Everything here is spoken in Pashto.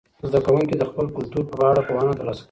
زده کوونکي د خپل کلتور په اړه پوهنه ترلاسه کوي.